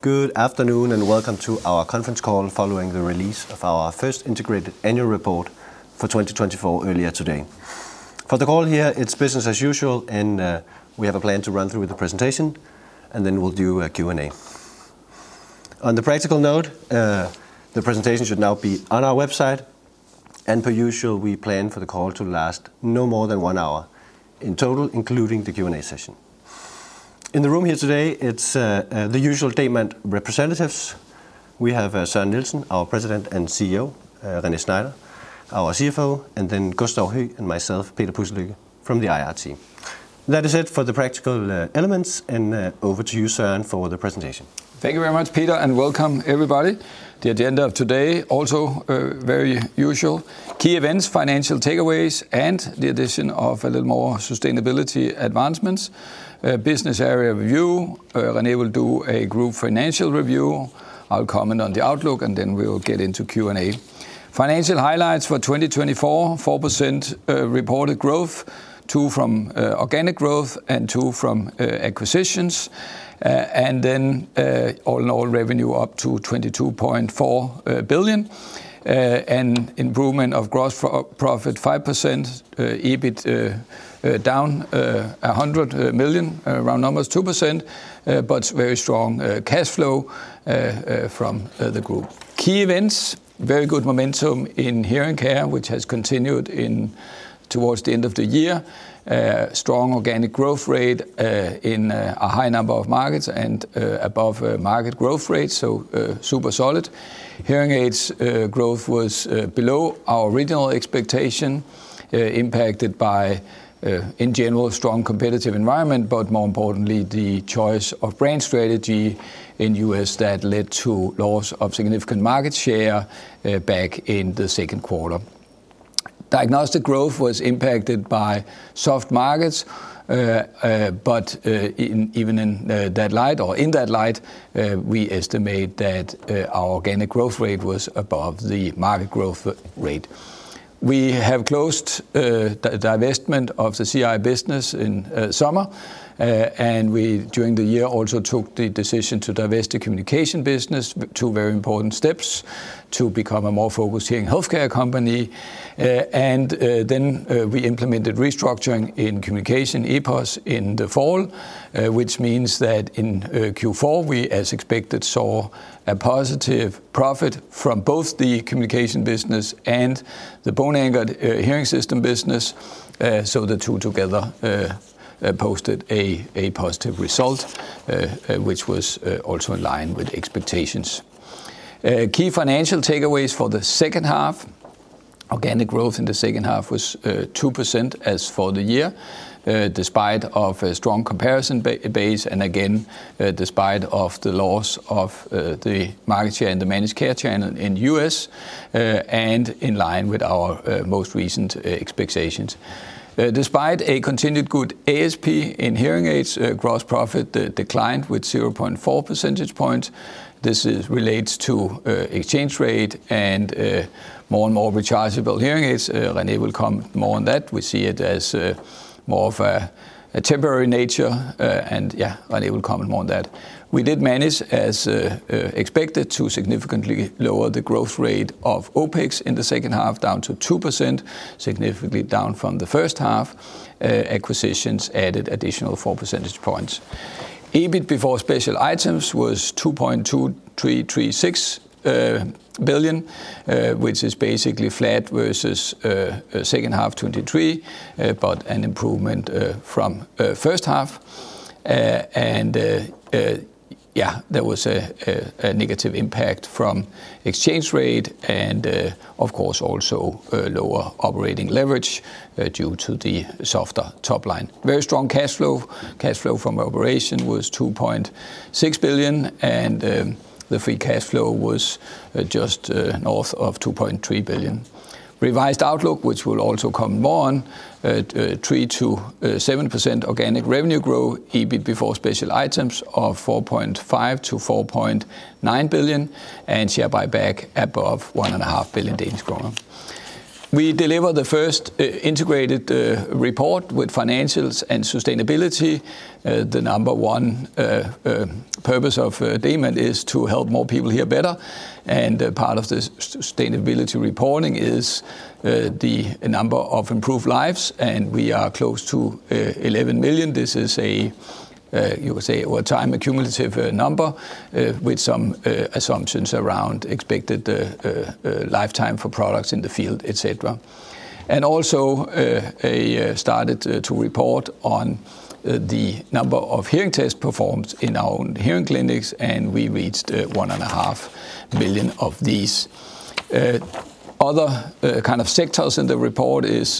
Good afternoon and welcome to our conference call following the release of our first integrated annual report for 2024 earlier today. For the call here, it's business as usual, and we have a plan to run through the presentation, and then we'll do a Q&A. On the practical note, the presentation should now be on our website, and per usual, we plan for the call to last no more than one hour in total, including the Q&A session. In the room here today, it's the usual Demant representatives. We have Søren Nielsen, our President and CEO, René Schneider, our CFO, and then Gustav Høegh and myself, Peter Pudselykke, from the IR team. That is it for the practical elements, and over to you, Søren, for the presentation. Thank you very much, Peter, and welcome, everybody. The agenda of today, also very usual: key events, financial takeaways, and the addition of a little more sustainability advancements. Business area review: René will do a group financial review. I'll comment on the outlook, and then we'll get into Q&A. Financial highlights for 2024: 4% reported growth, 2% from organic growth, and 2% from acquisitions, and then all in all, revenue up to 22.4 billion, and improvement of gross profit 5%, EBIT down 100 million, round numbers 2%, but very strong cash flow from the group. Key events: very good momentum in hearing care, which has continued towards the end of the year. Strong organic growth rate in a high number of markets and above market growth rate, so super solid. Hearing aids growth was below our original expectation, impacted by, in general, a strong competitive environment, but more importantly, the choice of brand strategy in the U.S. that led to loss of significant market share back in the second quarter. Diagnostics growth was impacted by soft markets, but even in that light, we estimate that our organic growth rate was above the market growth rate. We have closed the divestment of the CI business in summer, and we, during the year, also took the decision to divest the communication business, two very important steps to become a more focused hearing healthcare company. And then we implemented restructuring in communication EPOS in the fall, which means that in Q4, we, as expected, saw a positive profit from both the communication business and the bone-anchored hearing system business. So the two together posted a positive result, which was also in line with expectations. Key financial takeaways for the second half: organic growth in the second half was 2% as for the year, despite a strong comparison base, and again, despite the loss of the market share in the managed care channel in the U.S., and in line with our most recent expectations. Despite a continued good ASP in hearing aids, gross profit declined with 0.4 percentage points. This relates to the exchange rate and more and more rechargeable hearing aids. René will comment more on that. We see it as more of a temporary nature, and yeah, René will comment more on that. We did manage, as expected, to significantly lower the growth rate of OpEx in the second half down to 2%, significantly down from the first half. Acquisitions added additional 4 percentage points. EBIT before special items was 2.2336 billion, which is basically flat versus the second half of 2023, but an improvement from the first half, and yeah, there was a negative impact from the exchange rate and, of course, also lower operating leverage due to the softer top line. Very strong cash flow. Cash flow from operations was 2.6 billion, and the free cash flow was just north of 2.3 billion. Revised outlook, which we'll also comment more on: 3%-7% organic revenue growth, EBIT before special items of 4.5-4.9 billion, and share buyback above 1.5 billion Danish kroner. We deliver the first integrated report with financials and sustainability. The number one purpose of Demant is to help more people hear better, and part of the sustainability reporting is the number of improved lives, and we are close to 11 million. This is a, you could say, over time accumulative number, with some assumptions around expected lifetime for products in the field, etc., and also, I started to report on the number of hearing tests performed in our own hearing clinics, and we reached 1.5 million of these. Other kind of sectors in the report is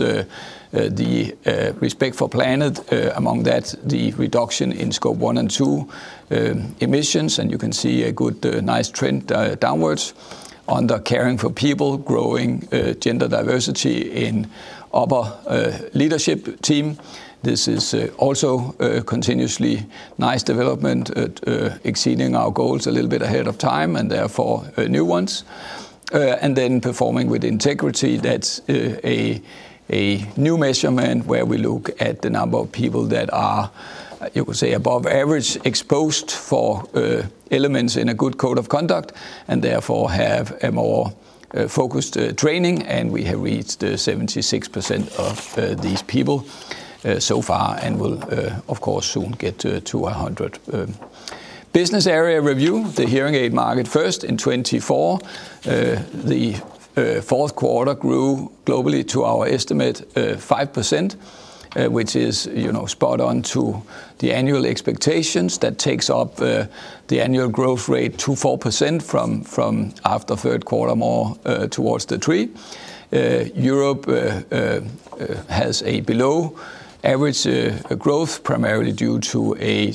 the respect for planet. Among that, the reduction in scope one and two emissions, and you can see a good, nice trend downwards. On the caring for people, growing gender diversity in the upper leadership team. This is also continuously nice development, exceeding our goals a little bit ahead of time and therefore new ones. Then performing with integrity, that's a new measurement where we look at the number of people that are, you could say, above average exposed for elements in a good code of conduct and therefore have a more focused training, and we have reached 76% of these people so far and will, of course, soon get to 100. Business area review, the hearing aid market first in 2024. The fourth quarter grew globally to our estimate 5%, which is, you know, spot on to the annual expectations. That takes up the annual growth rate to 4% from after third quarter, more towards the three. Europe has a below average growth, primarily due to a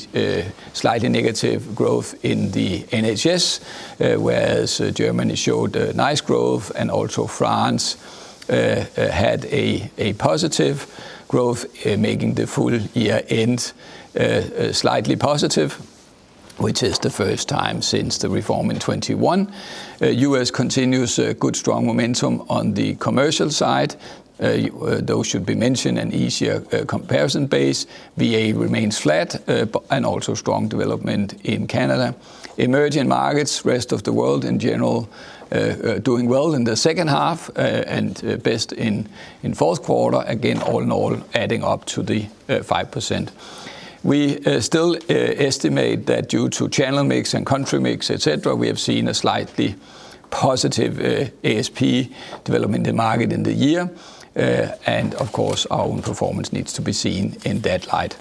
slightly negative growth in the NHS, whereas Germany showed nice growth, and also France had a positive growth, making the full year end slightly positive, which is the first time since the reform in 2021. U.S. continues a good, strong momentum on the commercial side. Those should be mentioned, an easier comparison base. VA remains flat, and also strong development in Canada. Emerging markets, rest of the world in general, doing well in the second half and best in fourth quarter, again, all in all, adding up to the 5%. We still estimate that due to channel mix and country mix, etc., we have seen a slightly positive ASP development in the market in the year, and of course, our own performance needs to be seen in that light.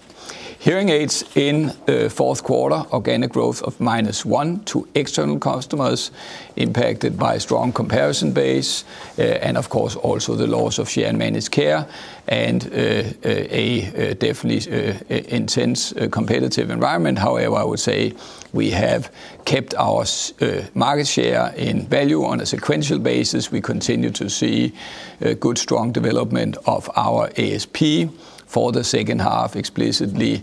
Hearing aids in fourth quarter, organic growth of minus 1% to external customers impacted by a strong comparison base, and of course, also the loss of share in managed care and a definitely intense competitive environment. However, I would say we have kept our market share in value on a sequential basis. We continue to see good, strong development of our ASP for the second half, explicitly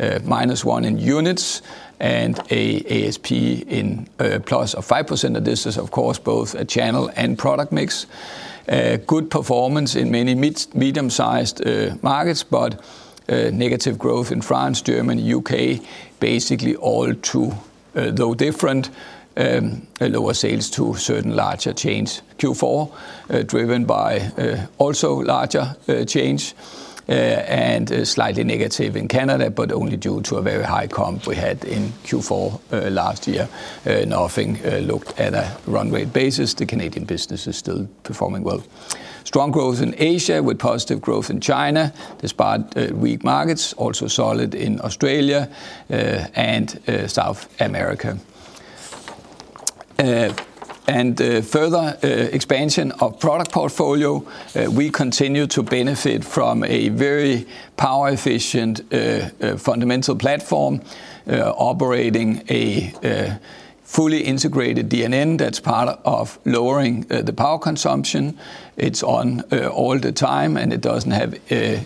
-1% in units and an ASP in plus of 5%. This is, of course, both a channel and product mix. Good performance in many medium-sized markets, but negative growth in France, Germany, U.K., basically all due to different, lower sales to certain larger chains. Q4 driven by also larger chains, and slightly negative in Canada, but only due to a very high comp we had in Q4 last year. Nothing looks bad at a run-rate basis. The Canadian business is still performing well. Strong growth in Asia with positive growth in China, despite weak markets, also solid in Australia and South America and further expansion of product portfolio. We continue to benefit from a very power-efficient fundamental platform, operating a fully integrated DNN that's part of lowering the power consumption. It's on all the time, and it doesn't have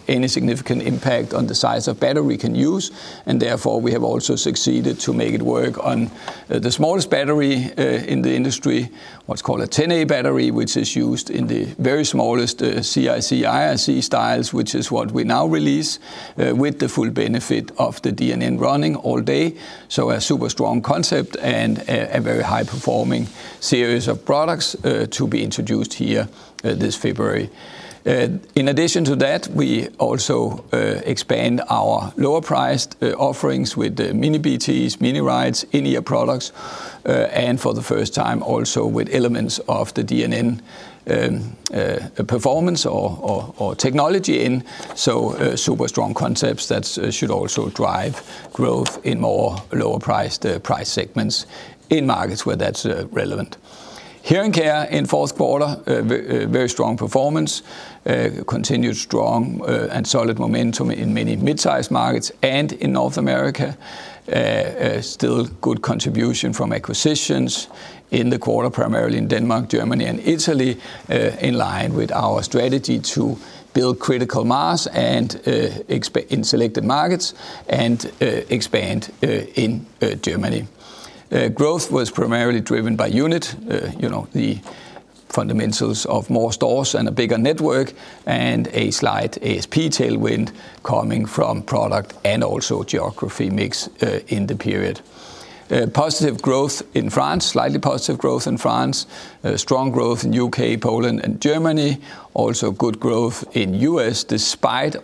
any significant impact on the size of battery we can use. And therefore, we have also succeeded to make it work on the smallest battery in the industry, what's called a 10A battery, which is used in the very smallest CIC and IIC styles, which is what we now release with the full benefit of the DNN r unning all day. So a super strong concept and a very high-performing series of products to be introduced here this February. In addition to that, we also expand our lower-priced offerings with miniBTEs, miniRITEs, in-ear products, and for the first time also with elements of the DNN performance or technology in. So super strong concepts that should also drive growth in more lower-priced price segments in markets where that's relevant. Hearing care in fourth quarter, very strong performance, continued strong and solid momentum in many mid-sized markets and in North America. Still good contribution from acquisitions in the quarter, primarily in Denmark, Germany, and Italy, in line with our strategy to build critical mass and in selected markets and expand in Germany. Growth was primarily driven by unit, you know, the fundamentals of more stores and a bigger network, and a slight ASP tailwind coming from product and also geography mix in the period. Positive growth in France, slightly positive growth in France, strong growth in the U.K., Poland, and Germany, also good growth in the U.S. despite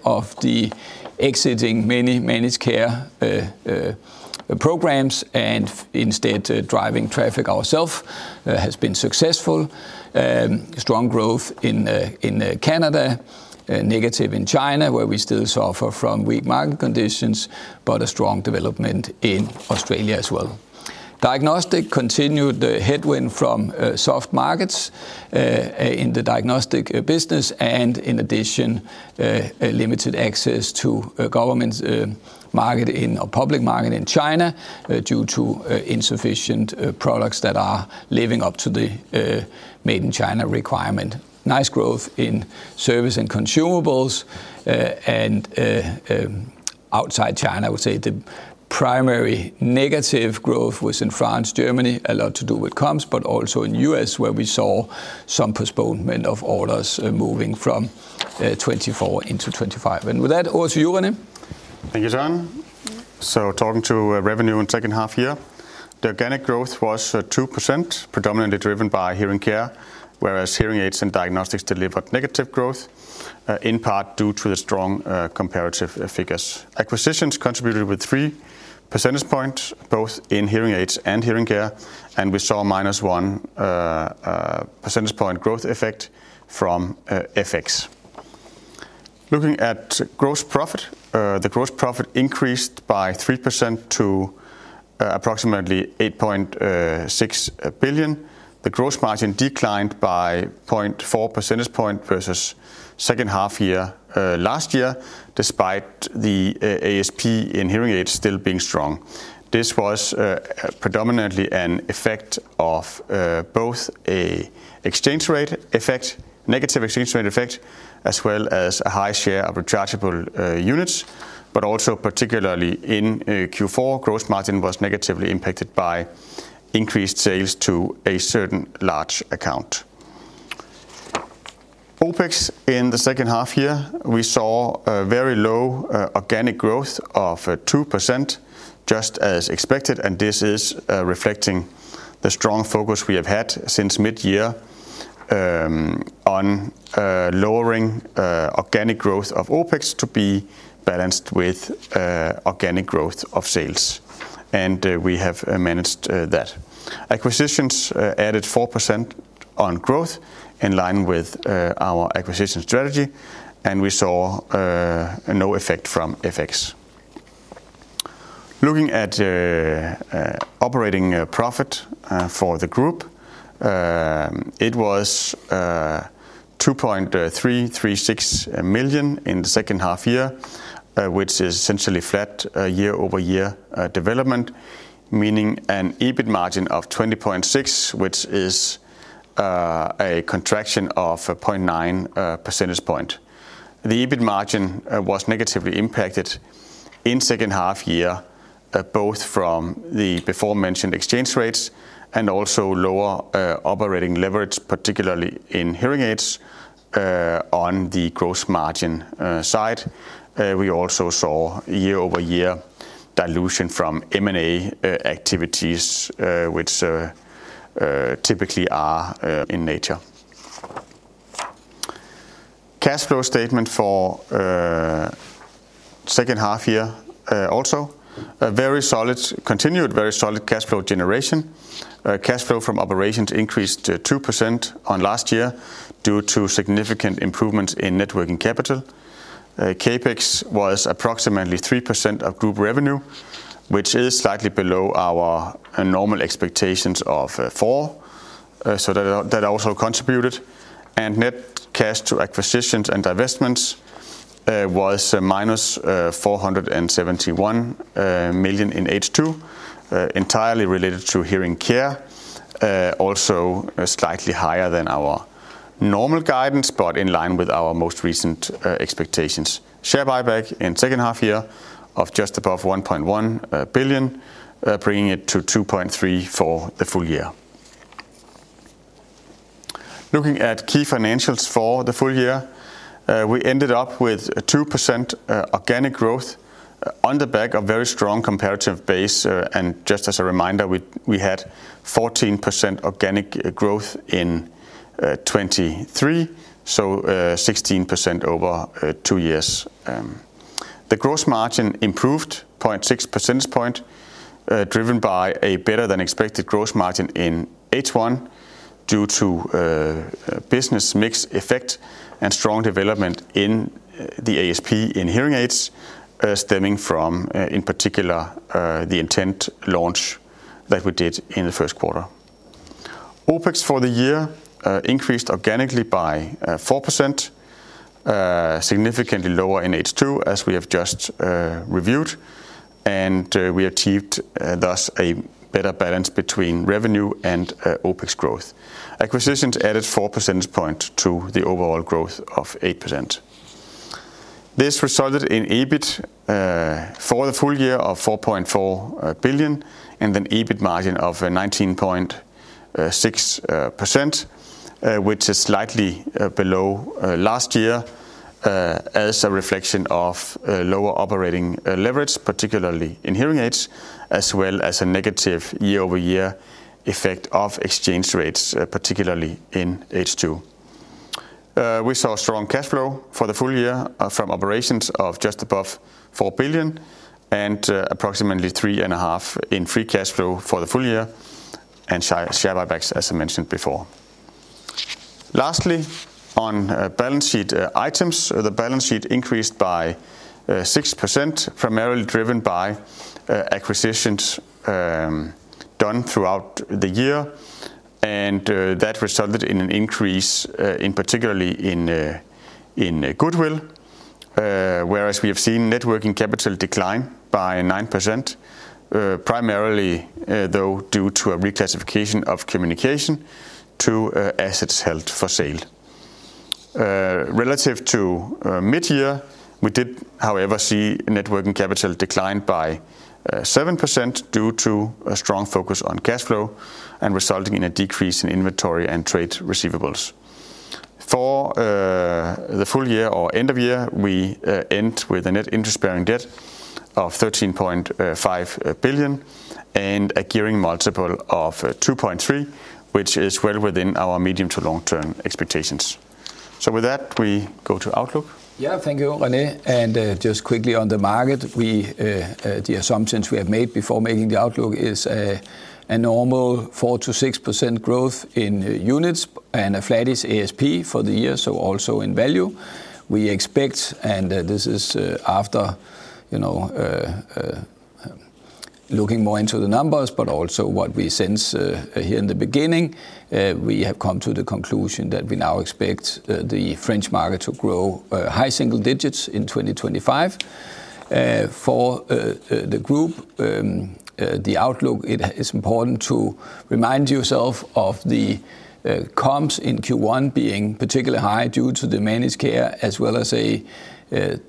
the exiting many managed care programs and instead driving traffic ourselves has been successful. Strong growth in Canada, negative in China, where we still suffer from weak market conditions, but a strong development in Australia as well. Diagnostics continued headwind from soft markets in the diagnostics business, and in addition, limited access to government market in or public market in China due to insufficient products that are living up to the Made in China requirement. Nice growth in service and consumables, and outside China, I would say the primary negative growth was in France, Germany, a lot to do with comps, but also in the U.S., where we saw some postponement of orders moving from 2024 into 2025. And with that, over to you, René. Thank you, Søren. So talking to revenue in the second half here, the organic growth was 2%, predominantly driven by hearing care, whereas hearing aids and diagnostics delivered negative growth in part due to the strong comparative figures. Acquisitions contributed with 3 percentage points, both in hearing aids and hearing care, and we saw minus one percentage point growth effect from FX. Looking at gross profit, the gross profit increased by 3% to approximately 8.6 billion. The gross margin declined by 0.4 percentage point versus second half year last year, despite the ASP in hearing aids still being strong. This was predominantly an effect of both an exchange rate effect, negative exchange rate effect, as well as a high share of rechargeable units, but also particularly in Q4, gross margin was negatively impacted by increased sales to a certain large account. OpEx in the second half here, we saw a very low organic growth of 2%, just as expected, and this is reflecting the strong focus we have had since mid-year on lowering organic growth of OpEx to be balanced with organic growth of sales, and we have managed that. Acquisitions added 4% on growth in line with our acquisition strategy, and we saw no effect from FX. Looking at operating profit for the group, it was 2.336 million in the second half year, which is essentially flat year-over-year development, meaning an EBIT margin of 20.6%, which is a contraction of 0.9 percentage point. The EBIT margin was negatively impacted in second half year, both from the before-mentioned exchange rates and also lower operating leverage, particularly in hearing aids on the gross margin side. We also saw year-over-year dilution from M&A activities, which typically are in nature. Cash flow statement for second half year also, very solid, continued very solid cash flow generation. Cash flow from operations increased 2% on last year due to significant improvements in working capital. CapEx was approximately 3% of group revenue, which is slightly below our normal expectations of 4%, so that also contributed. And net cash to acquisitions and divestments was -471 million in H2, entirely related to hearing care, also slightly higher than our normal guidance, but in line with our most recent expectations. Share buyback in second half year of just above 1.1 billion, bringing it to 2.3 billion for the full year. Looking at key financials for the full year, we ended up with 2% organic growth on the back of very strong comparative base, and just as a reminder, we had 14% organic growth in 2023, so 16% over two years. The gross margin improved 0.6 percentage point, driven by a better than expected gross margin in H1 due to business mix effect and strong development in the ASP in hearing aids, stemming from, in particular, the Intent launch that we did in the first quarter. OpEx for the year increased organically by 4%, significantly lower in H2, as we have just reviewed, and we achieved thus a better balance between revenue and OpEx growth. Acquisitions added 4 percentage points to the overall growth of 8%. This resulted in EBIT for the full year of 4.4 billion and an EBIT margin of 19.6%, which is slightly below last year as a reflection of lower operating leverage, particularly in hearing aids, as well as a negative year-over-year effect of exchange rates, particularly in H2. We saw strong cash flow for the full year from operations of just above 4 billion and approximately 3.5 billion in free cash flow for the full year and share buybacks, as I mentioned before. Lastly, on balance sheet items, the balance sheet increased by 6%, primarily driven by acquisitions done throughout the year, and that resulted in an increase, particularly in goodwill, whereas we have seen net working capital decline by 9%, primarily, though, due to a reclassification of communication to assets held for sale. Relative to mid-year, we did, however, see net working capital decline by 7% due to a strong focus on cash flow and resulting in a decrease in inventory and trade receivables. For the full year or end of year, we end with a net interest-bearing debt of 13.5 billion and a gearing multiple of 2.3 billion, which is well within our medium- to long-term expectations. So with that, we go to Outlook. Yeah, thank you, René. And just quickly on the market, the assumptions we have made before making the Outlook is a normal 4%-6% growth in units and a flat ASP for the year, so also in value. We expect, and this is after looking more into the numbers, but also what we sensed here in the beginning, we have come to the conclusion that we now expect the French market to grow high single digits in 2025. For the group, the Outlook, it is important to remind yourself of the comps in Q1 being particularly high due to the managed care, as well as a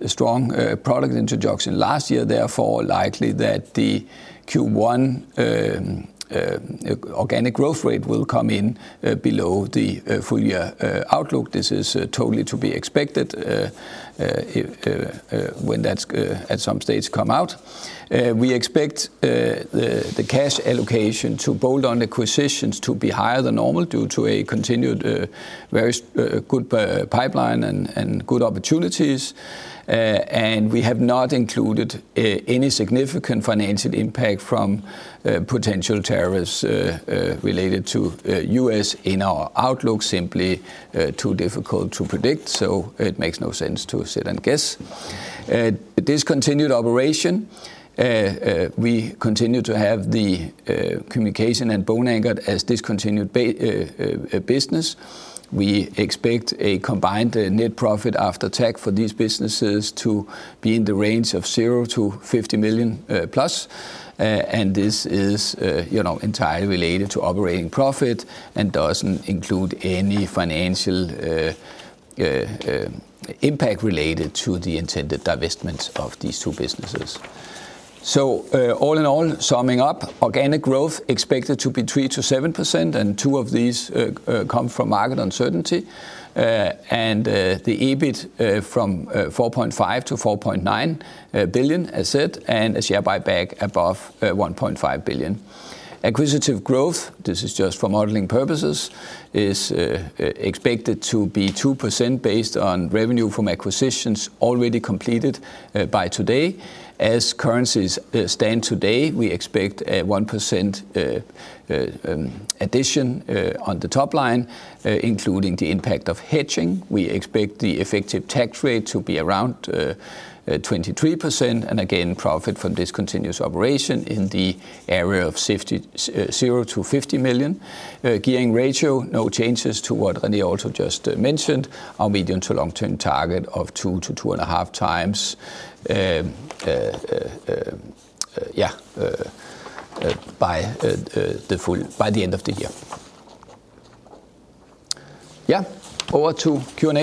strong product introduction last year. Therefore, likely that the Q1 organic growth rate will come in below the full-year Outlook. This is totally to be expected when that at some stage come out. We expect the cash allocation to bolt-on acquisitions to be higher than normal due to a continued very good pipeline and good opportunities, and we have not included any significant financial impact from potential tariffs related to U.S. in our Outlook, simply too difficult to predict, so it makes no sense to sit and guess. Discontinued operations, we continue to have the communication and bone-anchored as discontinued business. We expect a combined net profit after tax for these businesses to be in the range of 0-50 million plus, and this is entirely related to operating profit and doesn't include any financial impact related to the intended divestments of these two businesses. So all in all, summing up, organic growth expected to be 3%-7%, and two of these come from market uncertainty, and the EBIT from 4.5 billion-4.9 billion, as said, and a share buyback above 1.5 billion. Acquisitive growth, this is just for modeling purposes, is expected to be 2% based on revenue from acquisitions already completed by today. As currencies stand today, we expect a 1% addition on the top line, including the impact of hedging. We expect the effective tax rate to be around 23%, and again, profit from discontinued operation in the area of 0-50 million. Gearing ratio, no changes to what René also just mentioned, our medium to long-term target of 2-2.5 times, yeah, by the end of the year. Yeah, over to Q&A.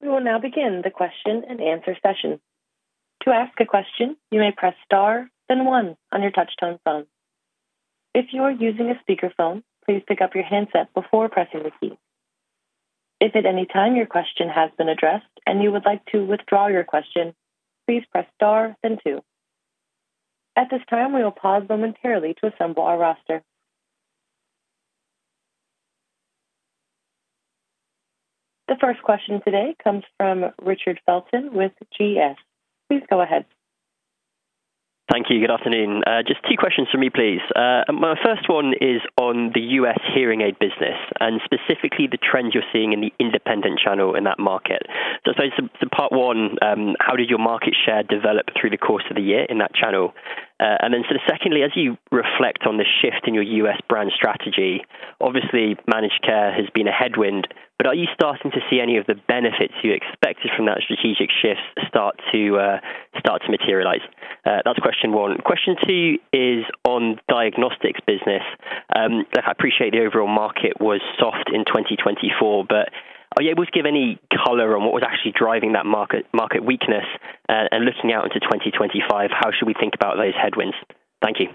We will now begin the question and answer session. To ask a question, you may press star, then one on your touch-tone phone. If you are using a speakerphone, please pick up your handset before pressing the key. If at any time your question has been addressed and you would like to withdraw your question, please press star, then two. At this time, we will pause momentarily to assemble our roster. The first question today comes from Richard Felton with GS. Please go ahead. Thank you. Good afternoon. Just two questions for me, please. My first one is on the U.S. hearing aid business and specifically the trends you're seeing in the independent channel in that market. So I suppose part one, how did your market share develop through the course of the year in that channel? And then sort of secondly, as you reflect on the shift in your U.S. brand strategy, obviously managed care has been a headwind, but are you starting to see any of the benefits you expected from that strategic shift start to materialize? That's question one. Question two is on diagnostics business. I appreciate the overall market was soft in 2024, but are you able to give any color on what was actually driving that market weakness? And looking out into 2025, how should we think about those headwinds? Thank you.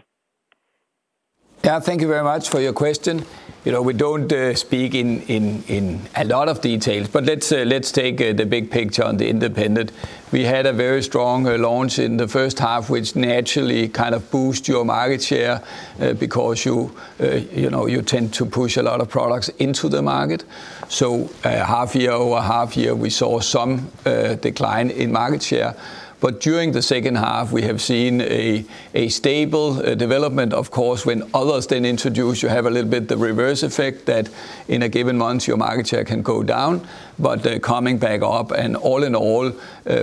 Yeah, thank you very much for your question. We don't speak in a lot of details, but let's take the big picture on the independent. We had a very strong launch in the first half, which naturally kind of boosts your market share because you tend to push a lot of products into the market. So half year over half year, we saw some decline in market share. But during the second half, we have seen a stable development, of course. When others then introduce, you have a little bit the reverse effect that in a given month, your market share can go down, but coming back up. And all in all,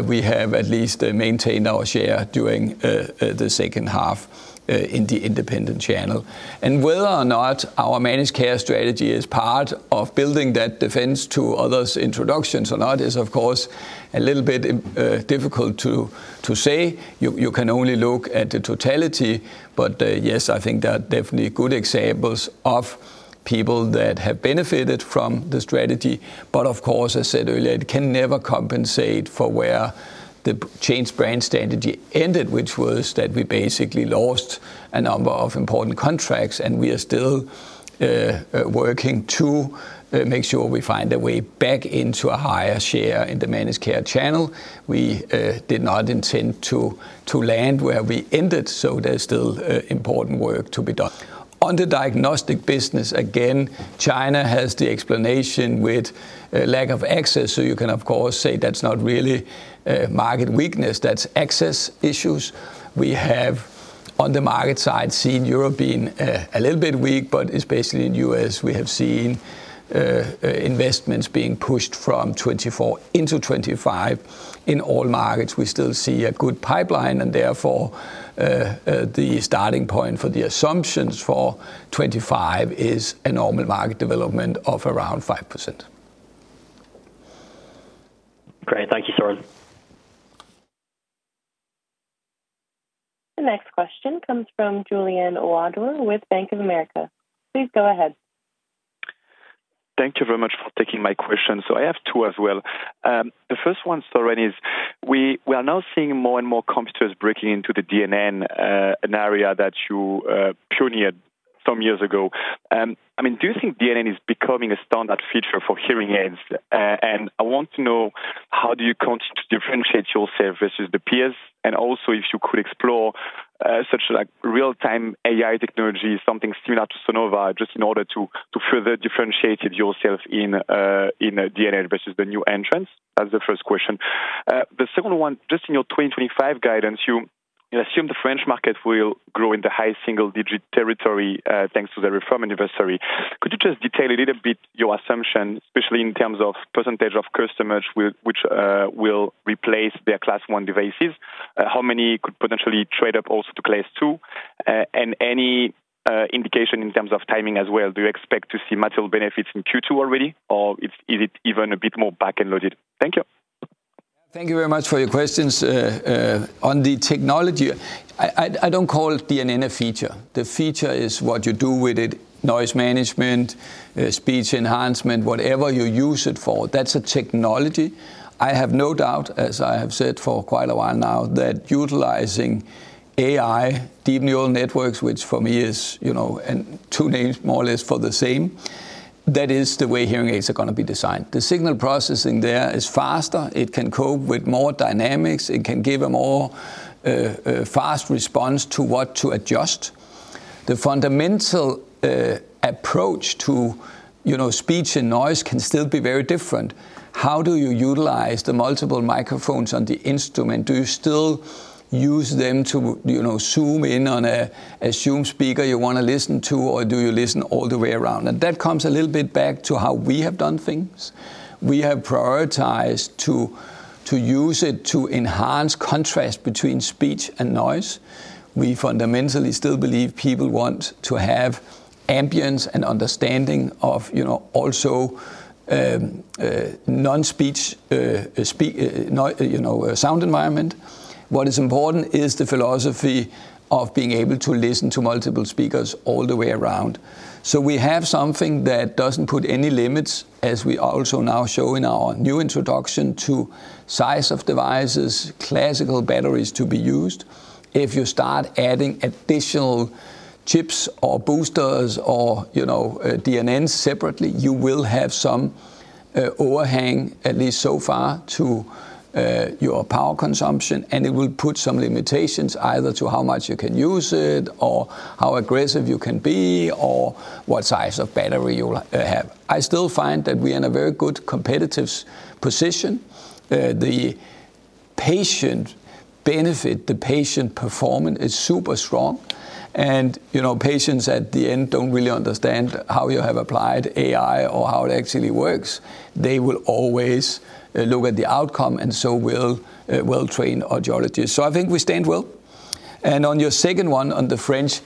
we have at least maintained our share during the second half in the independent channel. And whether or not our managed care strategy is part of building that defense to others' introductions or not is, of course, a little bit difficult to say. You can only look at the totality. But yes, I think that definitely good examples of people that have benefited from the strategy. But of course, as I said earlier, it can never compensate for where the changed brand strategy ended, which was that we basically lost a number of important contracts, and we are still working to make sure we find a way back into a higher share in the managed care channel. We did not intend to land where we ended, so there's still important work to be done. On the diagnostic business, again, China has the explanation with lack of access. So you can, of course, say that's not really market weakness, that's access issues. We have on the market side seen Europe being a little bit weak, but especially in the U.S., we have seen investments being pushed from 2024 into 2025. In all markets, we still see a good pipeline, and therefore the starting point for the assumptions for 2025 is a normal market development of around 5%. Great. Thank you, Søren. The next question comes from Julien Ouaddour with Bank of America. Please go ahead. Thank you very much for taking my question. So I have two as well. The first one is, sorry, we are now seeing more and more competitors breaking into the DNN, an area that you pioneered some years ago. I mean, do you think DNN is becoming a standard feature for hearing aids? And I want to know how do you continue to differentiate yourself versus the peers? And also if you could explore such real-time AI technology, something similar to Sonova, just in order to further differentiate yourself in DNN versus the new entrants. That's the first question. The second one, just in your 2025 guidance, you assume the French market will grow in the high single-digit territory thanks to the reform anniversary. Could you just detail a little bit your assumption, especially in terms of percentage of customers which will replace their Class I devices? How many could potentially trade up also to Class II? And any indication in terms of timing as well? Do you expect to see material benefits in Q2 already, or is it even a bit more back-loaded? Thank you. Thank you very much for your questions. On the technology, I don't call it DNN a feature. The feature is what you do with it: noise management, speech enhancement, whatever you use it for. That's a technology. I have no doubt, as I have said for quite a while now, that utilizing AI, deep neural networks, which for me is two names more or less for the same, that is the way hearing aids are going to be designed. The signal processing there is faster. It can cope with more dynamics. It can give a more fast response to what to adjust. The fundamental approach to speech and noise can still be very different. How do you utilize the multiple microphones on the instrument? Do you still use them to Zoom in on a Zoom speaker you want to listen to, or do you listen all the way around? And that comes a little bit back to how we have done things. We have prioritized to use it to enhance contrast between speech and noise. We fundamentally still believe people want to have ambience and understanding of also non-speech sound environment. What is important is the philosophy of being able to listen to multiple speakers all the way around. So we have something that doesn't put any limits, as we also now show in our new introduction, to size of devices, classical batteries to be used. If you start adding additional chips or boosters or DNNs separately, you will have some overhang, at least so far, to your power consumption, and it will put some limitations either to how much you can use it or how aggressive you can be or what size of battery you'll have. I still find that we are in a very good competitive position. The patient benefit, the patient performance is super strong, and patients at the end don't really understand how you have applied AI or how it actually works. They will always look at the outcome, and so will well-trained audiologists. So I think we stand well, and on your second one on the French,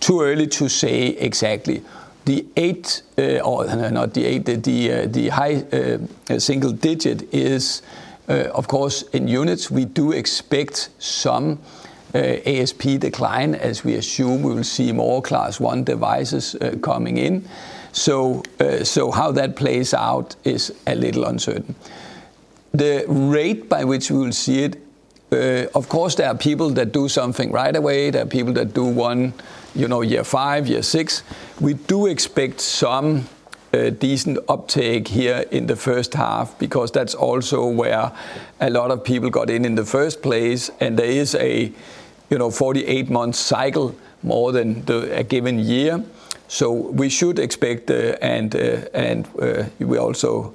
too early to say exactly. The eight, or not the eight, the high single digit is, of course, in units. We do expect some ASP decline, as we assume we will see more Class I devices coming in. So how that plays out is a little uncertain. The rate by which we will see it, of course, there are people that do something right away. There are people that do one year five, year six. We do expect some decent uptake here in the first half because that's also where a lot of people got in in the first place. And there is a 48-month cycle more than a given year. So we should expect, and we also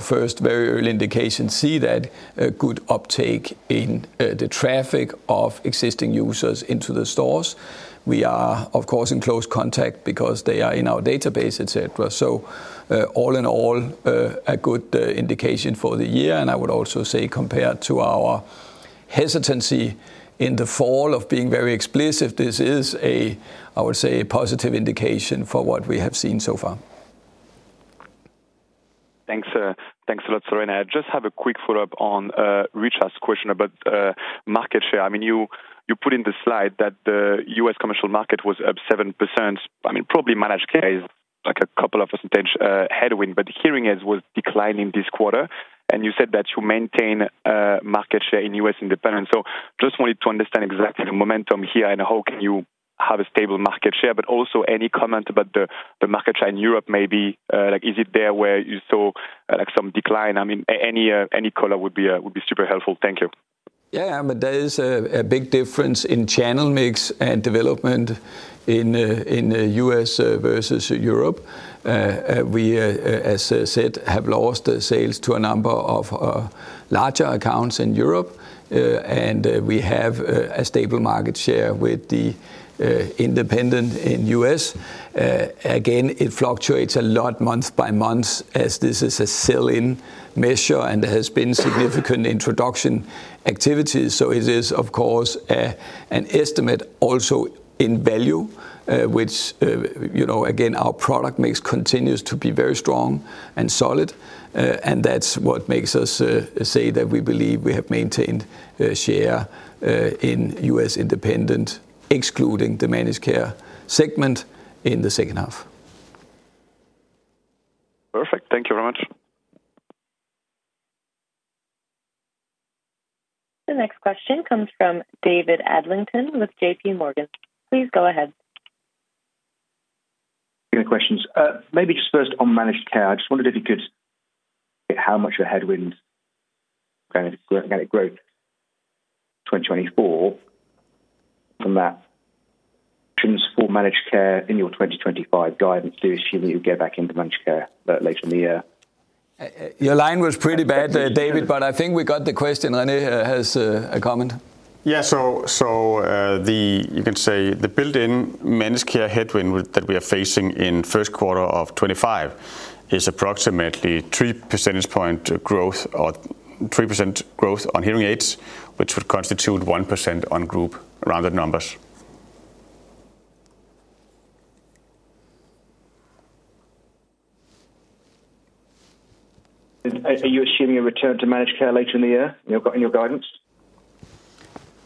first very early indication see that a good uptake in the traffic of existing users into the stores. We are, of course, in close contact because they are in our database, etc. So all in all, a good indication for the year. And I would also say compared to our hesitancy in the fall of being very explicit, this is a, I would say, positive indication for what we have seen so far. Thanks a lot, Søren. I just have a quick follow-up on Richard's question about market share. I mean, you put in the slide that the U.S. commercial market was up 7%. I mean, probably managed care is like a couple of percentage headwind, but hearing aids were declining this quarter. And you said that you maintain market share in U.S. independent. So just wanted to understand exactly the momentum here and how can you have a stable market share, but also any comment about the market share in Europe maybe, like is it there where you saw some decline? I mean, any color would be super helpful. Thank you. Yeah, there is a big difference in channel mix and development in the U.S. versus Europe. We, as I said, have lost sales to a number of larger accounts in Europe, and we have a stable market share with the independent in U.S. Again, it fluctuates a lot month by month as this is a sell-in measure and there has been significant introduction activity. So it is, of course, an estimate also in value, which again, our product mix continues to be very strong and solid. And that's what makes us say that we believe we have maintained share in U.S. independent, excluding the managed care segment in the second half. Perfect. Thank you very much. The next question comes from David Adlington with J.P. Morgan. Please go ahead. Questions. Maybe just first on managed care. I just wondered if you could. How much of a headwind to growth in 2024 from that for managed care in your 2025 guidance? Do you assume that you'll get back into managed care later in the year? Your line was pretty bad, David, but I think we got the question. René has a comment. Yeah, so you can say the built-in managed care headwind that we are facing in first quarter of 2025 is approximately 3 percentage point growth or 3% growth on hearing aids, which would constitute 1% on group around the numbers. Are you assuming a return to managed care later in the year in your guidance?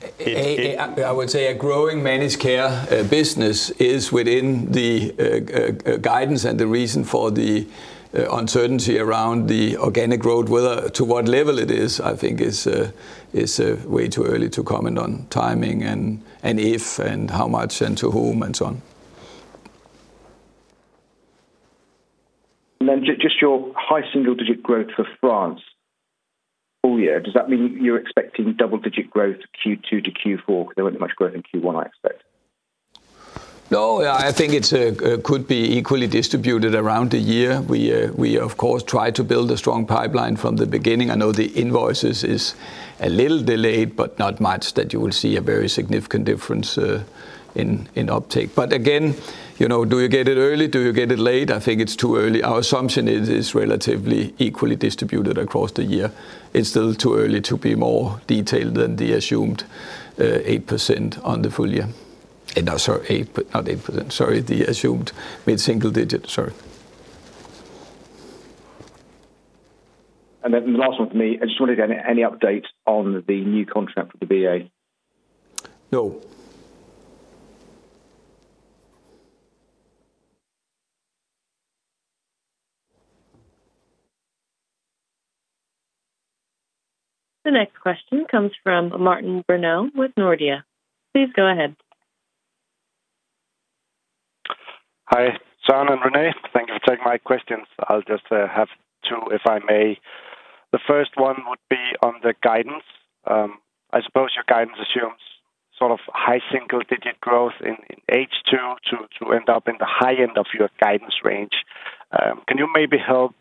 I would say a growing managed care business is within the guidance and the reason for the uncertainty around the organic growth, whether to what level it is, I think is way too early to comment on timing and if and how much and to whom and so on. And then just your high single-digit growth for France all year, does that mean you're expecting double-digit growth Q2 to Q4? There wasn't much growth in Q1, I expect. No, I think it could be equally distributed around the year. We, of course, try to build a strong pipeline from the beginning. I know the invoices is a little delayed, but not much that you will see a very significant difference in uptake. But again, do you get it early? Do you get it late? I think it's too early. Our assumption is relatively equally distributed across the year. It's still too early to be more detailed than the assumed 8% on the full year. No, sorry, not 8%. Sorry, the assumed mid-single digit. Sorry. And then the last one for me. I just wanted any updates on the new contract with the VA. No. The next question comes from Martin Brenøe with Nordea. Please go ahead. Hi, Søren and René. Thank you for taking my questions. I'll just have two, if I may. The first one would be on the guidance. I suppose your guidance assumes sort of high single-digit growth in H2 to end up in the high end of your guidance range. Can you maybe help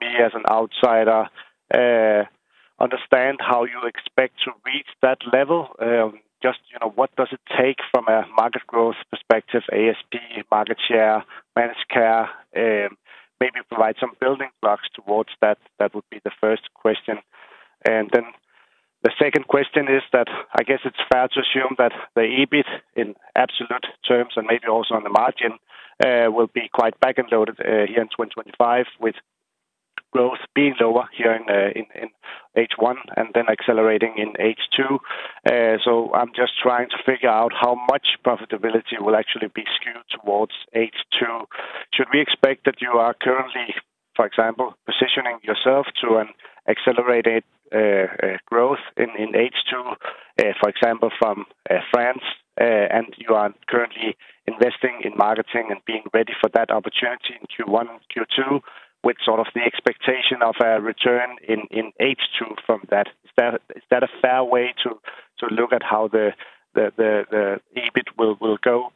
me as an outsider understand how you expect to reach that level? Just what does it take from a market growth perspective, ASP, market share, managed care, maybe provide some building blocks towards that? That would be the first question. And then the second question is that I guess it's fair to assume that the EBIT in absolute terms and maybe also on the margin will be quite back-loaded here in 2025 with growth being lower here in H1 and then accelerating in H2. So I'm just trying to figure out how much profitability will actually be skewed towards H2. Should we expect that you are currently, for example, positioning yourself for an accelerated growth in H2, for example, from France, and you are currently investing in marketing and being ready for that opportunity in Q1 and Q2 with sort of the expectation of a return in H2 from that? Is that a fair way to look at how the EBIT will go?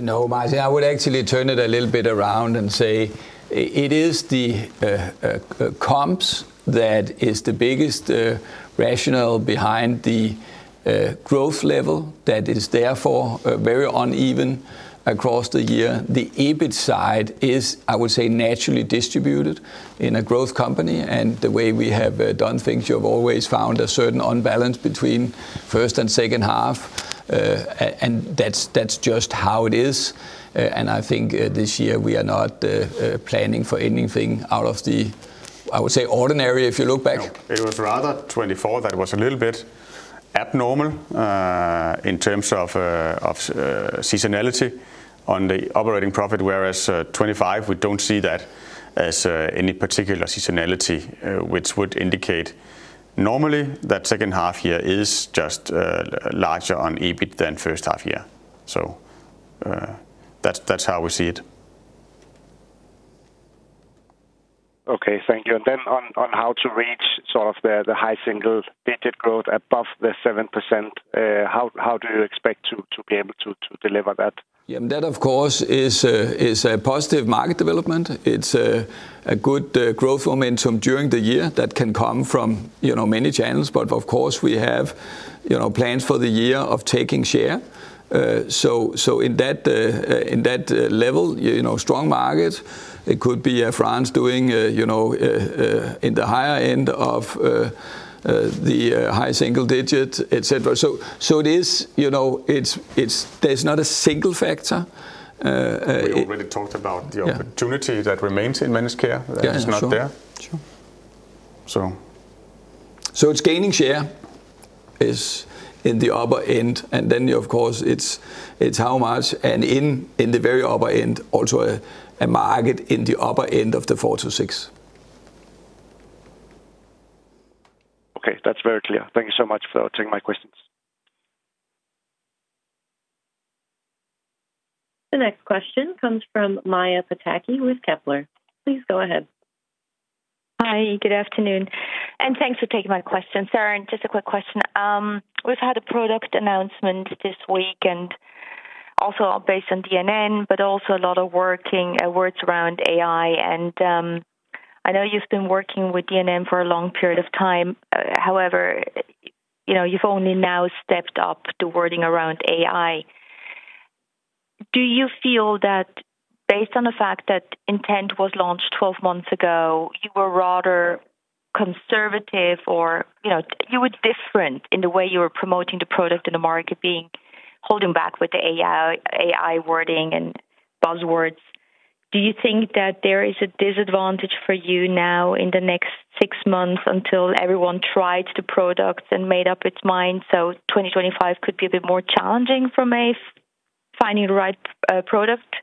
No, I would actually turn it a little bit around and say it is the comps that is the biggest rationale behind the growth level that is therefore very uneven across the year. The EBIT side is, I would say, naturally distributed in a growth company. And the way we have done things, you have always found a certain unbalance between first and second half. And that's just how it is. And I think this year we are not planning for anything out of the, I would say, ordinary if you look back. It was rather 2024. That was a little bit abnormal in terms of seasonality on the operating profit, whereas 2025, we don't see that as any particular seasonality, which would indicate normally that second half year is just larger on EBIT than first half year. So that's how we see it. Okay, thank you. On how to reach sort of the high single-digit growth above the 7%, how do you expect to be able to deliver that? Yeah, that of course is a positive market development. It's a good growth momentum during the year that can come from many channels. But of course, we have plans for the year of taking share. So in that level, strong market, it could be France doing in the higher end of the high single-digit, etc. So there's not a single factor. We already talked about the opportunity that remains in managed care. That is not there. Sure. So it's gaining share in the upper end. And then of course, it's how much and in the very upper end, also a market in the upper end of the 4% to 6%. Okay, that's very clear. Thank you so much for taking my questions. The next question comes from Maja Pataki with Kepler. Please go ahead. Hi, good afternoon, and thanks for taking my question, Søren. Just a quick question. We've had a product announcement this week and also based on DNN, but also a lot of buzzwords around AI, and I know you've been working with DNN for a long period of time. However, you've only now stepped up the wording around AI. Do you feel that based on the fact that Intent was launched 12 months ago, you were rather conservative or you were different in the way you were promoting the product in the market, holding back with the AI wording and buzzwords? Do you think that there is a disadvantage for you now in the next six months until everyone tried the product and made up its mind? So, 2025 could be a bit more challenging for me finding the right product,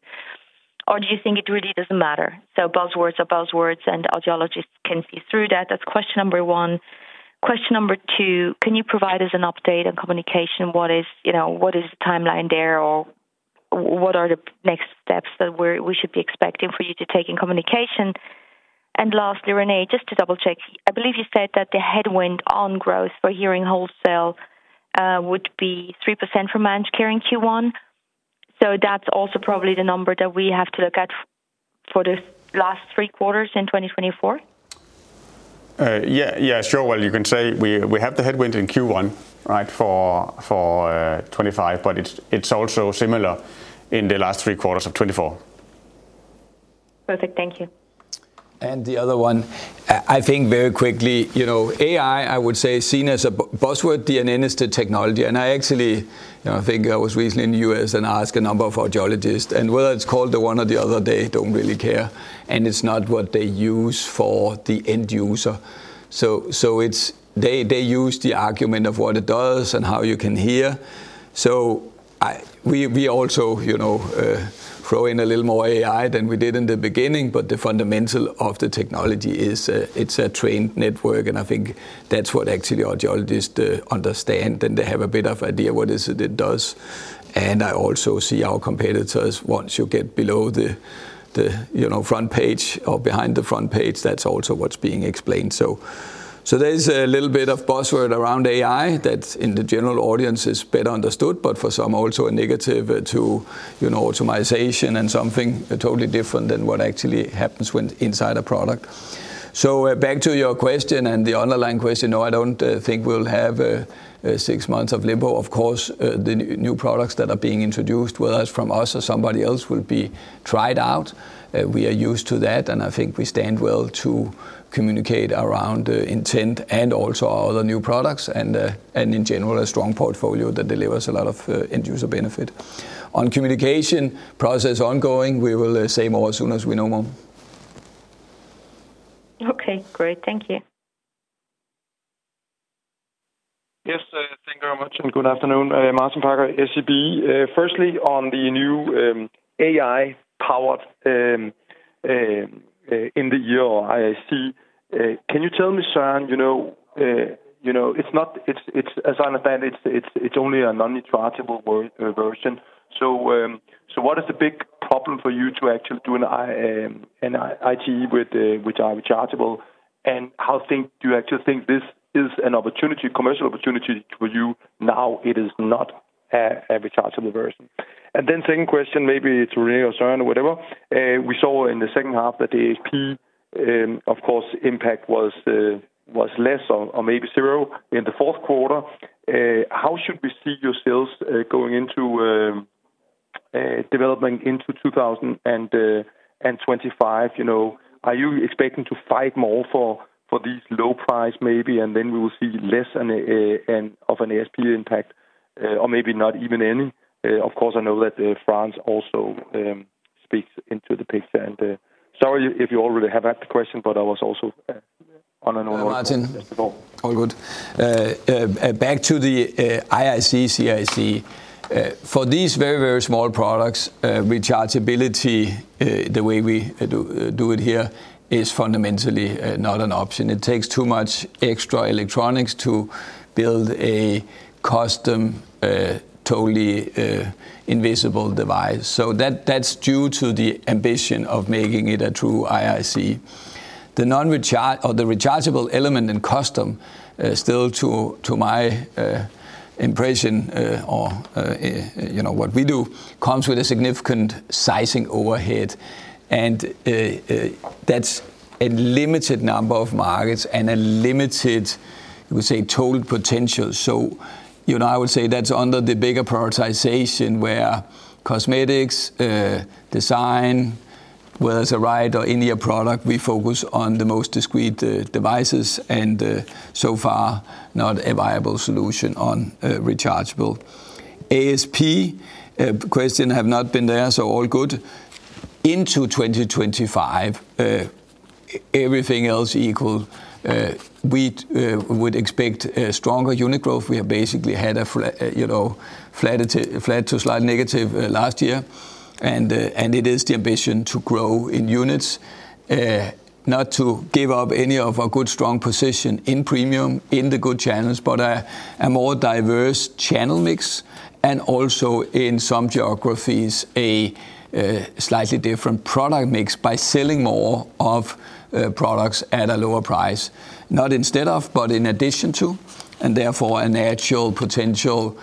or do you think it really doesn't matter, so buzzwords are buzzwords and audiologists can see through that. That's question number one. Question number two, can you provide us an update on communication? What is the timeline there or what are the next steps that we should be expecting for you to take in communication? And lastly, René, just to double-check, I believe you said that the headwind on growth for hearing wholesale would be 3% for managed care in Q1, so that's also probably the number that we have to look at for the last three quarters in 2024. Yeah, sure, well, you can say we have the headwind in Q1 for 2025, but it's also similar in the last three quarters of 2024. Perfect. Thank you. And the other one, I think very quickly, AI, I would say, seen as a buzzword, DNN is the technology. And I actually think I was recently in the U.S. and asked a number of audiologists, and whether it's called the one or the other, they don't really care. And it's not what they use for the end user. So they use the argument of what it does and how you can hear. So we also throw in a little more AI than we did in the beginning, but the fundamental of the technology is it's a trained network. And I think that's what actually audiologists understand. And they have a bit of idea what it does. And I also see our competitors, once you get below the front page or behind the front page, that's also what's being explained. So, there's a little bit of buzzword around AI that in the general audience is better understood, but for some also a negative to optimization and something totally different than what actually happens inside a product. So back to your question and the underlying question, no, I don't think we'll have six months of limbo. Of course, the new products that are being introduced, whether it's from us or somebody else, will be tried out. We are used to that. And I think we stand well to communicate around Intent and also our other new products and in general a strong portfolio that delivers a lot of end user benefit. On communication process ongoing, we will say more as soon as we know more. Okay, great. Thank you. Yes, thank you very much and good afternoon. Martin Parkhøi, SEB. Firstly, on the new AI-powered in-the-ear or IIC, can you tell me, Søren, it's not, as I understand, it's only a non-rechargeable version. So what is the big problem for you to actually do an IIC with a rechargeable? And how do you actually think this is an opportunity, commercial opportunity for you now? It is not a rechargeable version. And then second question, maybe it's René or Søren or whatever. We saw in the second half that the ASP, of course, impact was less or maybe zero in the fourth quarter. How should we see your sales going into development into 2025? Are you expecting to fight more for these low price maybe? And then we will see less of an ASP impact or maybe not even any. Of course, I know that France also speaks into the picture. Sorry if you already have had the question, but I was also on an online call. Back to the IIC, CIC. For these very, very small products, rechargeability, the way we do it here, is fundamentally not an option. It takes too much extra electronics to build a custom, totally invisible device. So that's due to the ambition of making it a true IIC. The non-rechargeable element in custom, still to my impression or what we do, comes with a significant sizing overhead. And that's a limited number of markets and a limited, we say, total potential. So I would say that's under the bigger prioritization where cosmetics, design, whether it's a RITE or in-ear product, we focus on the most discreet devices and so far not a viable solution on rechargeable. ASP question have not been there, so all good. Into 2025, everything else equal. We would expect a stronger unit growth. We have basically had a flat to slight negative last year, and it is the ambition to grow in units, not to give up any of our good strong position in premium, in the good channels, but a more diverse channel mix and also in some geographies, a slightly different product mix by selling more of products at a lower price. Not instead of, but in addition to, and therefore a natural potential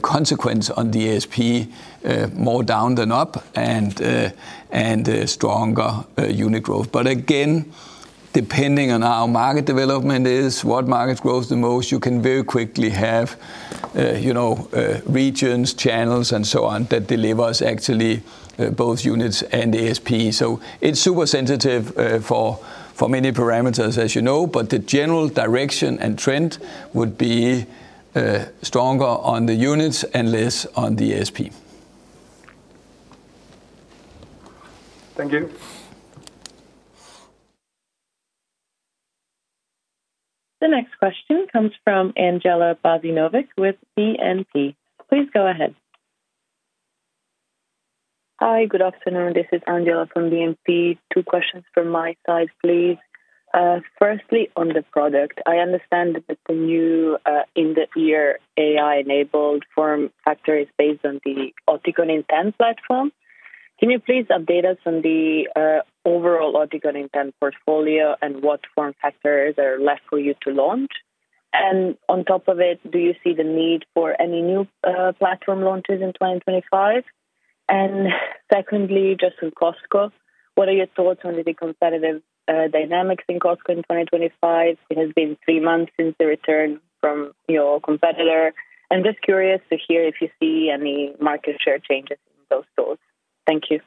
consequence on the ASP, more down than up and stronger unit growth, but again, depending on how market development is, what market grows the most, you can very quickly have regions, channels, and so on that delivers actually both units and ASP, so it's super sensitive for many parameters, as you know, but the general direction and trend would be stronger on the units and less on the ASP. Thank you. The next question comes from Angela Bozenovic with BNP. Please go ahead. Hi, good afternoon. This is Angela from BNP. Two questions from my side, please. Firstly, on the product, I understand that the new in-the-ear AI-enabled form factor is based on the Oticon Intent platform. Can you please update us on the overall Oticon Intent portfolio and what form factors are left for you to launch? And on top of it, do you see the need for any new platform launches in 2025? And secondly, just on Costco, what are your thoughts on the competitive dynamics in Costco in 2025? It has been three months since the return from your competitor. I'm just curious to hear if you see any market share changes in those tools. Thank you.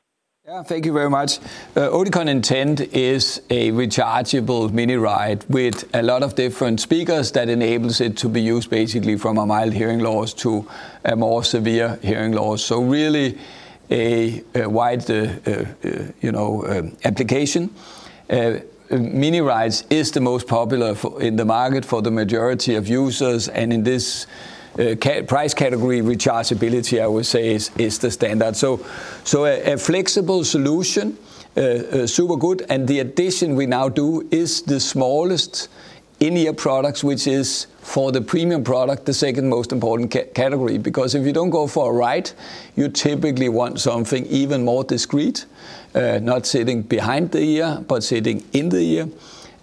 Yeah, thank you very much. Oticon Intent is a rechargeable miniRITE with a lot of different speakers that enables it to be used basically from a mild hearing loss to a more severe hearing loss. So really a wide application. miniRITEs is the most popular in the market for the majority of users. And in this price category, rechargeability, I would say, is the standard. So a flexible solution, super good. And the addition we now do is the smallest in-ear products, which is for the premium product, the second most important category. Because if you don't go for a miniRITE, you typically want something even more discreet, not sitting behind the ear, but sitting in the ear.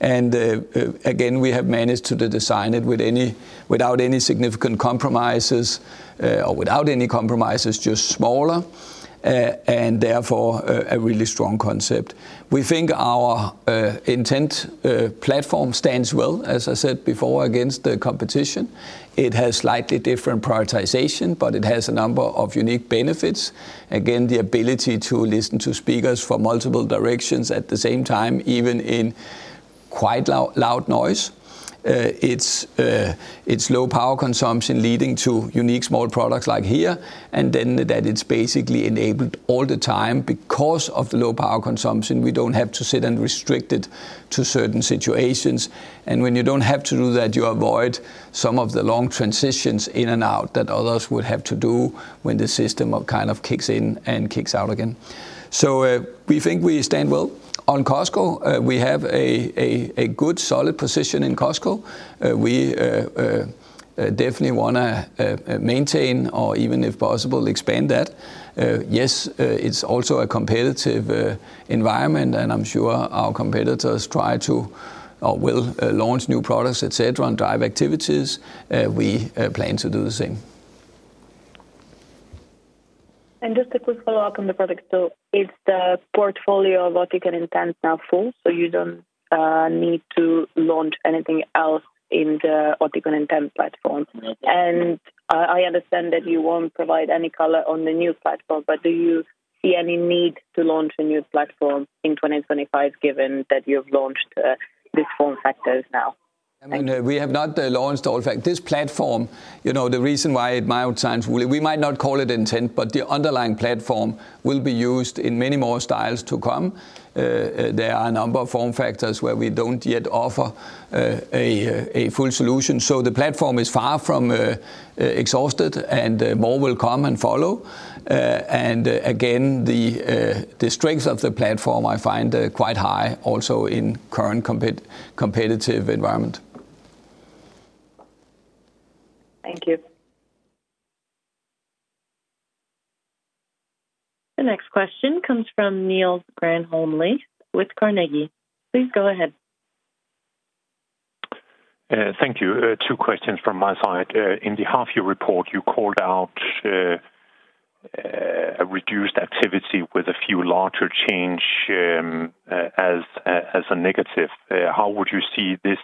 And again, we have managed to design it without any significant compromises or without any compromises, just smaller. And therefore, a really strong concept. We think our Intent platform stands well, as I said before, against the competition. It has slightly different prioritization, but it has a number of unique benefits. Again, the ability to listen to speakers from multiple directions at the same time, even in quite loud noise. It's low power consumption leading to unique small products like here. And then that it's basically enabled all the time because of the low power consumption. We don't have to sit and restrict it to certain situations. And when you don't have to do that, you avoid some of the long transitions in and out that others would have to do when the system kind of kicks in and kicks out again. So we think we stand well on Costco. We have a good solid position in Costco. We definitely want to maintain or, even if possible, expand that. Yes, it's also a competitive environment, and I'm sure our competitors try to or will launch new products, etc., and drive activities. We plan to do the same. And just a quick follow-up on the product, so is the portfolio of Oticon Intent now full, so you don't need to launch anything else in the Oticon Intent platform, and I understand that you won't provide any color on the new platform, but do you see any need to launch a new platform in 2025 given that you've launched this form factor now? We have not launched all factors. This platform, the reason why it might not call it Intent, but the underlying platform will be used in many more styles to come. There are a number of form factors where we don't yet offer a full solution, so the platform is far from exhausted and more will come and follow. And again, the strength of the platform I find quite high also in current competitive environment. Thank you. The next question comes from Niels Granholm-Leth with Carnegie. Please go ahead. Thank you. Two questions from my side. In the half-year report, you called out a reduced activity with a few larger changes as a negative. How would you see this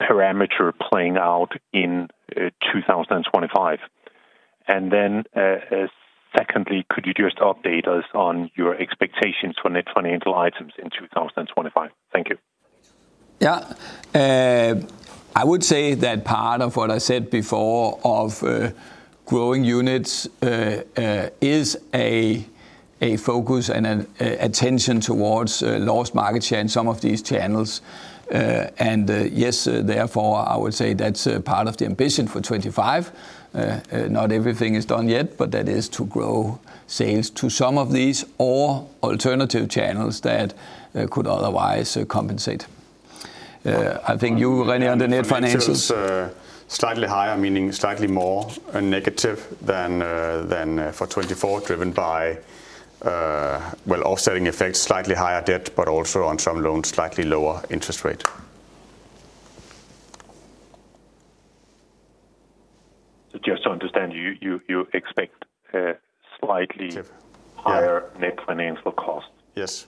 parameter playing out in 2025? And then secondly, could you just update us on your expectations for net financial items in 2025? Thank you. Yeah. I would say that part of what I said before of growing units is a focus and attention towards lost market share in some of these channels. And yes, therefore, I would say that's part of the ambition for 2025. Not everything is done yet, but that is to grow sales to some of these or alternative channels that could otherwise compensate. I think you, René, on the net financials. Slightly higher, meaning slightly more negative than for 2024, driven by, well, offsetting effects, slightly higher debt, but also on some loans, slightly lower interest rate. Just to understand, you expect slightly higher net financial cost. Yes.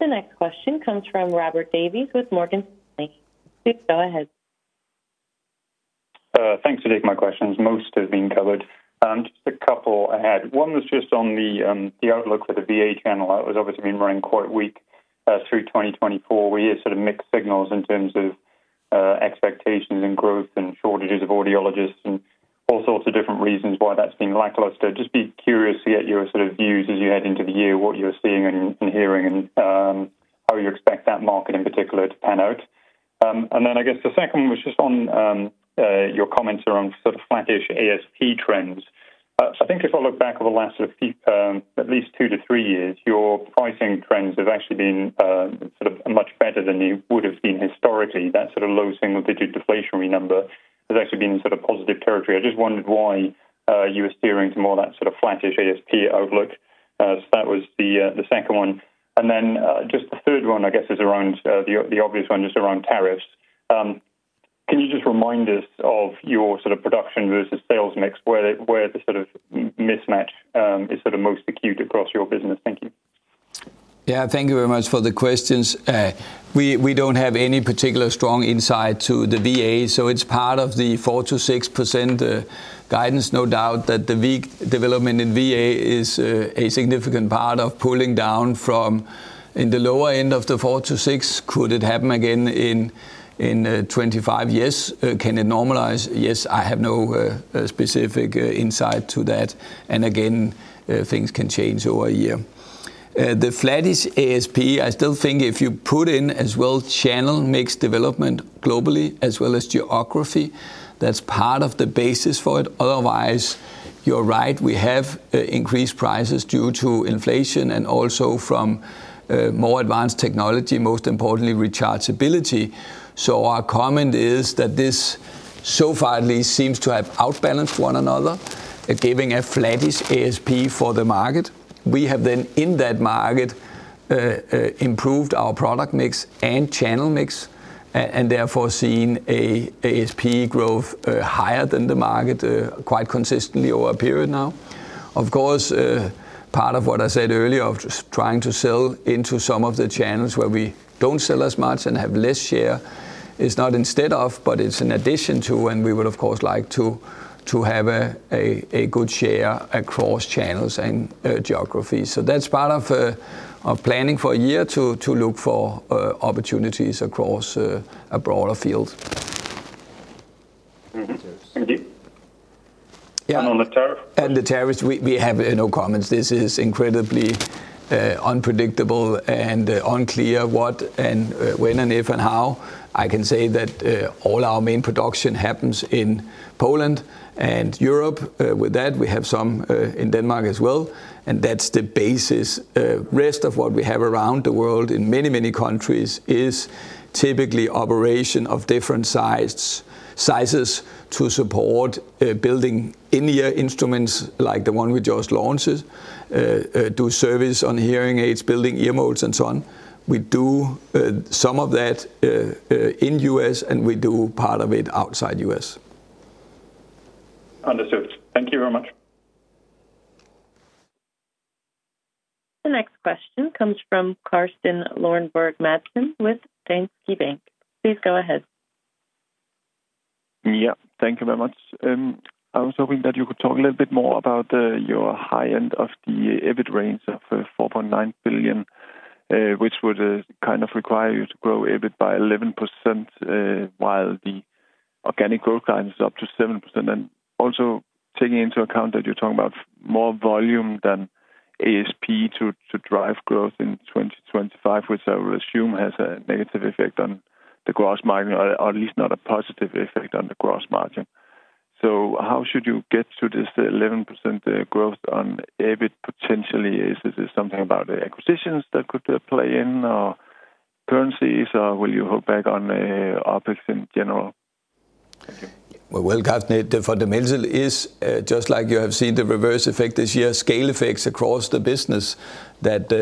The next question comes from Robert Davies with Morgan Stanley. Please go ahead. Thanks for taking my questions. Most have been covered. Just a couple I had. One was just on the outlook for the VA channel. It was obviously been running quite weak through 2024. We hear sort of mixed signals in terms of expectations and growth and shortages of audiologists and all sorts of different reasons why that's been lackluster. Just be curious to get your sort of views as you head into the year, what you're seeing and hearing and how you expect that market in particular to pan out? And then I guess the second one was just on your comments around sort of flattish ASP trends. I think if I look back over the last sort of at least two to three years, your pricing trends have actually been sort of much better than you would have seen historically. That sort of low single-digit deflationary number has actually been in sort of positive territory. I just wondered why you were steering to more of that sort of flattish ASP Outlook. So that was the second one. And then just the third one, I guess, is around the obvious one, just around tariffs. Can you just remind us of your sort of production versus sales mix where the sort of mismatch is sort of most acute across your business? Thank you. Yeah, thank you very much for the questions. We don't have any particular strong insight to the VA. So it's part of the 4%-6% guidance. No doubt that the weak development in VA is a significant part of pulling down from in the lower end of the 4%-6%. Could it happen again in 2025? Can it normalize? Yes, I have no specific insight to that. And again, things can change over a year. The flattish ASP, I still think if you put in as well channel mix development globally as well as geography, that's part of the basis for it. Otherwise, you're right, we have increased prices due to inflation and also from more advanced technology, most importantly, rechargeability. So our comment is that this so far at least seems to have outbalanced one another, giving a flattish ASP for the market. We have then in that market improved our product mix and channel mix and therefore seen an ASP growth higher than the market quite consistently over a period now. Of course, part of what I said earlier of trying to sell into some of the channels where we don't sell as much and have less share is not instead of, but it's an addition to, and we would of course like to have a good share across channels and geographies. So that's part of planning for a year to look for opportunities across a broader field. Thank you. And on the tariff? And the tariffs, we have no comments. This is incredibly unpredictable and unclear what and when and if and how. I can say that all our main production happens in Poland and Europe with that. We have some in Denmark as well. And that's the basis. The rest of what we have around the world in many, many countries is typically operation of different sizes to support building in-ear instruments like the one we just launched, do service on hearing aids, building ear molds, and so on. We do some of that in the U.S., and we do part of it outside the U.S. Understood. Thank you very much. The next question comes from Carsten Lønborg Madsen with Danske Bank. Please go ahead. Yeah, thank you very much. I was hoping that you could talk a little bit more about your high end of the EBIT range of 4.9 billion, which would kind of require you to grow EBIT by 11% while the organic growth line is up to 7%. And also taking into account that you're talking about more volume than ASP to drive growth in 2025, which I will assume has a negative effect on the gross margin, or at least not a positive effect on the gross margin. So how should you get to this 11% growth on EBIT potentially? Is it something about acquisitions that could play in or currencies, or will you hold back on OpEx in general? Thank you. Well, Carsten, for Demant it's just like you have seen the reverse effect this year, scale effects across the business that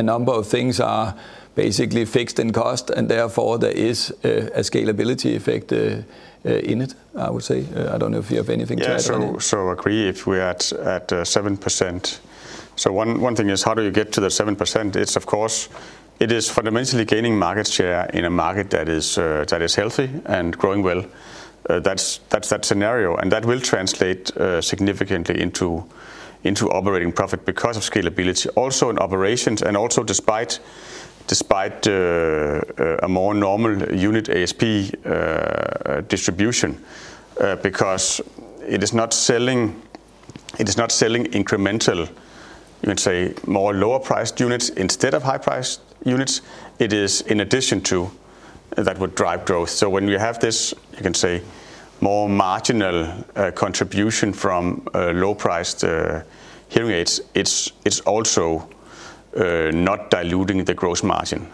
a number of things are basically fixed in cost, and therefore there is a scalability effect in it, I would say. I don't know if you have anything to add. Yeah, so agree if we're at 7%. So one thing is how do you get to the 7%? It's, of course, it is fundamentally gaining market share in a market that is healthy and growing well. That's that scenario, and that will translate significantly into operating profit because of scalability. Also in operations and also despite a more normal unit ASP distribution because it is not selling incremental, you can say, more lower-priced units instead of high-priced units. It is in addition to that would drive growth. So when you have this, you can say, more marginal contribution from low-priced hearing aids, it's also not diluting the gross margin.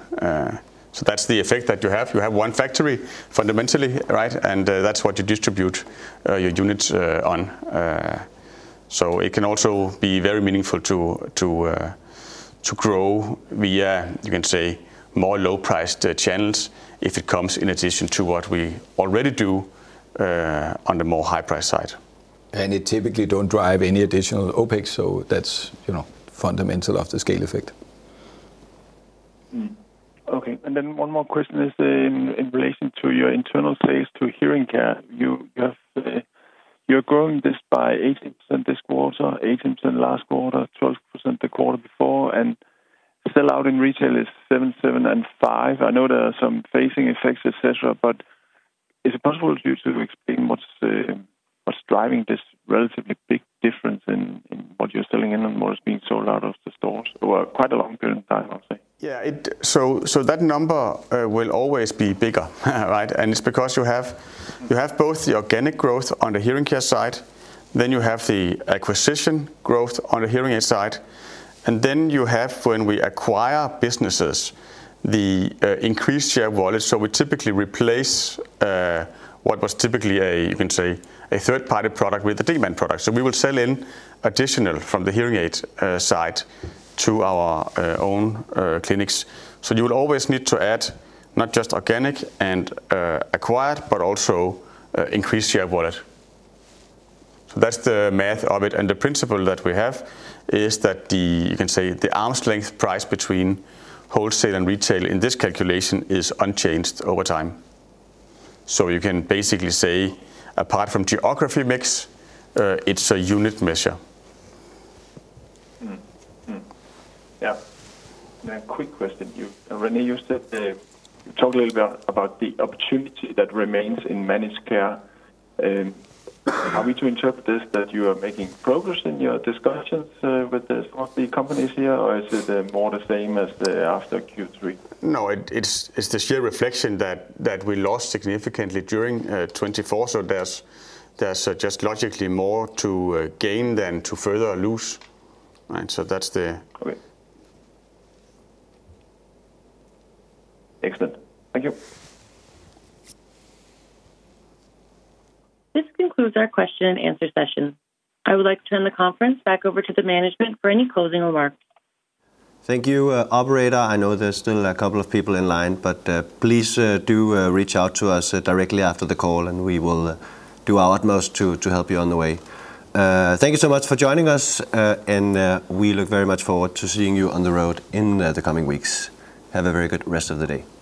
That's the effect that you have. You have one factory fundamentally, right, and that's what you distribute your units on. It can also be very meaningful to grow via, you can say, more low-priced channels if it comes in addition to what we already do on the more high-priced side. And it typically don't drive any additional OpEx. So that's fundamental of the scale effect. Okay. And then one more question is in relation to your internal sales to hearing care. You're growing this by 18% this quarter, 18% last quarter, 12% the quarter before. And sell out in retail is 7%, 7%, and 5%. I know there are some phasing effects, etc., but is it possible for you to explain what's driving this relatively big difference in what you're selling in and what is being sold out of the stores over quite a long period of time, I'll say? Yeah. So that number will always be bigger, right? And it's because you have both the organic growth on the hearing care side, then you have the acquisition growth on the hearing aid side. And then you have, when we acquire businesses, the increased share of wallet. We typically replace what was typically a, you can say, a third-party product with a Demant product. We will sell in additional from the hearing aid side to our own clinics. You will always need to add not just organic and acquired, but also increased share of wallet. That's the math of it. The principle that we have is that the, you can say, the arm's length price between wholesale and retail in this calculation is unchanged over time. You can basically say, apart from geography mix, it's a unit measure. Yeah. A quick question. You already used it. Talk a little bit about the opportunity that remains in managed care. Are we to interpret this that you are making progress in your discussions with some of the companies here, or is it more the same as after Q3? No, it's the sheer reflection that we lost significantly during 2024. So there's just logically more to gain than to further lose. So that's the. Okay. Excellent. Thank you. This concludes our question and answer session. I would like to turn the conference back over to the management for any closing remarks. Thank you, Operator. I know there's still a couple of people in line, but please do reach out to us directly after the call, and we will do our utmost to help you on the way. Thank you so much for joining us, and we look very much forward to seeing you on the road in the coming weeks. Have a very good rest of the day.